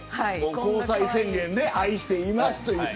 交際宣言で愛していますという。